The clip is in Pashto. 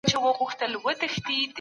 ستاينه او وياړنه خدمت نه بلل کېږي.